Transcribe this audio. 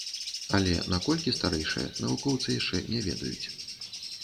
Але на колькі старэйшае, навукоўцы яшчэ не ведаюць.